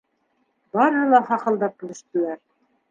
Барыһы ла хахылдап көлөштөләр.